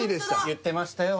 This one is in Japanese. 言ってましたよ